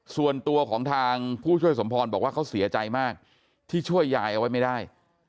ส่วนตัวของทางผู้ช่วยสมพรบอกว่าเขาเสียใจมากที่ช่วยยายเอาไว้ไม่ได้